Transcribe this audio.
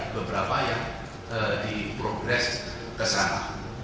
beberapa yang di progres ke sana